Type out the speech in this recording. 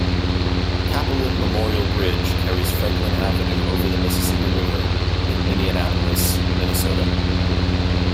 Cappelen Memorial Bridge, carries Franklin Avenue over the Mississippi River in Minneapolis, Minnesota.